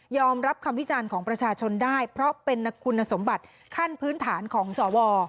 รับคำวิจารณ์ของประชาชนได้เพราะเป็นคุณสมบัติขั้นพื้นฐานของสว